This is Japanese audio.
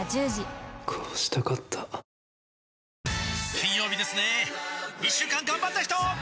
金曜日ですね一週間がんばった人！